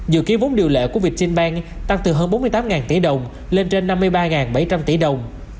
dự ký vốn điều lệ của việt tinh băng tăng từ hơn bốn mươi tám tỷ đồng lên trên năm mươi ba bảy trăm linh tỷ đồng